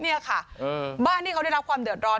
นี่ค่ะบ้านที่เขาได้รับความเดือดร้อน